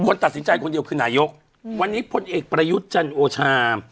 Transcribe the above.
คนตัดสินใจคนเดียวคือนายกวันนี้พลเอกประยุทธ์จันโอชา